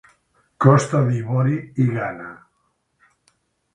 Costa d'Ivori i Ghana.